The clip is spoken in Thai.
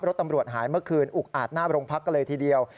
รถตำรวจหายเมื่อคืนอุกอาจหน้าโรงพักกันเลยทีเดียว